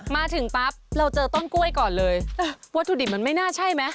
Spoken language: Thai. มาถึงปั๊บเราเจอต้นกล้วยก่อนเลยวัตถุดิบมันไม่น่าใช่ไหม